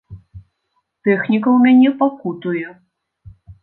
Тэхніка ў мяне пакутуе.